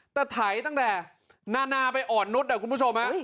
แต่ไถตั้งแต่นานาไปอ่อนนุษย์คุณผู้ชม